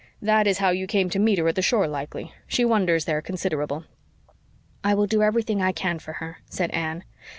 That is how you came to meet her at the shore likely. She wanders there considerable." "I will do everything I can for her," said Anne.